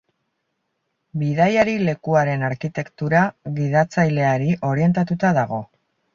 Bidaiari-lekuaren arkitektura gidatzaileari orientatuta dago.